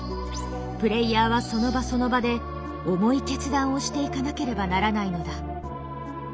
プレイヤーはその場その場で重い決断をしていかなければならないのだ。